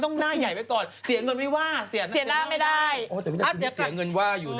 อ๋อเดี๋ยวก่อนหนีเสียเงินว่าอยู่นะ